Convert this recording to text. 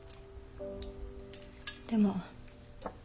でも。